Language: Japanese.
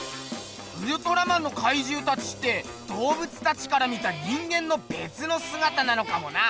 ウルトラマンのかいじゅうたちって動物たちから見た人間のべつのすがたなのかもな。